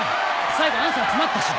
最後アンサー詰まったし！